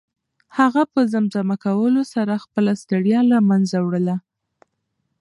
هغه په زمزمه کولو سره خپله ستړیا له منځه وړله.